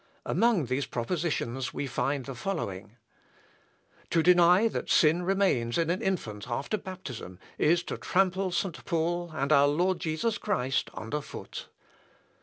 Among these propositions we find the following: "To deny that sin remains in an infant after baptism, is to trample St. Paul and our Lord Jesus Christ under foot."